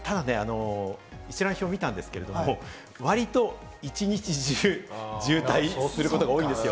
ただ、一覧表を見たんですが、わりと一日中渋滞することが多いんですよ。